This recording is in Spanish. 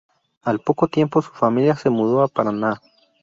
Al poco tiempo, su familia se mudó a Paraná.